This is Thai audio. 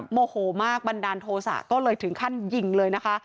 โมโหมากบันดาลโทษะก็เลยถึงขั้นยิงเลยนะคะ